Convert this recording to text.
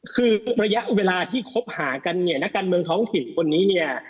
คือระยะเวลาที่คบหากันเนี่ยนักการเมืองท้องถิ่นคนนี้เนี่ย